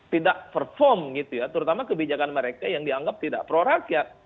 tidak perform gitu ya terutama kebijakan mereka yang dianggap tidak pro rakyat